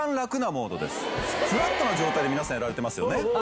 フラットな状態で皆さんやられてますよね。